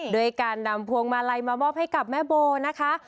ด้วยการนำพวงมาลัยมามอบให้กับแม่โบนะคะ